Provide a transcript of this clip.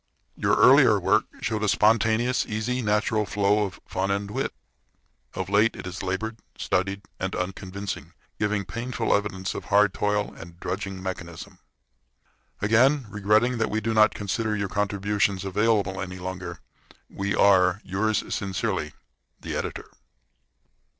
Your earlier work showed a spontaneous, easy, natural flow of fun and wit. Of late it is labored, studied, and unconvincing, giving painful evidence of hard toil and drudging mechanism. Again regretting that we do not consider your contributions available any longer, we are, yours sincerely, THE EDITOR.